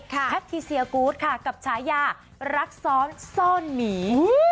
แพทิเซียกูธค่ะกับฉายารักซ้อนซ่อนหมี